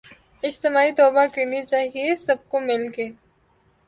اجتماعی توبہ کرنی چاہیے سب کو مل کے